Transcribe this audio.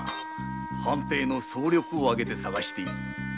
藩邸の総力をあげて捜している。